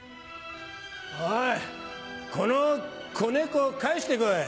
おいこの子猫を返して来い。